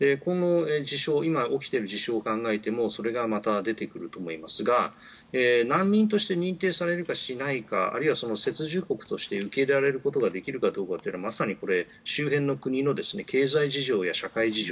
今起きている事象を考えてもそれがまた出てくると思いますが難民として認定されるかしないかあるいはその接受国として受け入れられることができるかどうかはまさに周辺の国の経済事情や社会事情